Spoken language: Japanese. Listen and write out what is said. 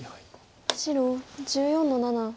白１４の七。